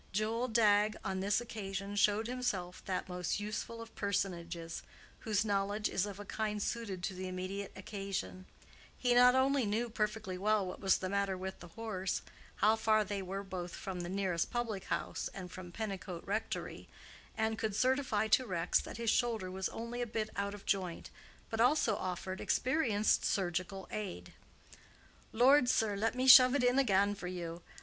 Joel Dagge on this occasion showed himself that most useful of personages, whose knowledge is of a kind suited to the immediate occasion: he not only knew perfectly well what was the matter with the horse, how far they were both from the nearest public house and from Pennicote Rectory, and could certify to Rex that his shoulder was only a bit out of joint, but also offered experienced surgical aid. "Lord, sir, let me shove it in again for you!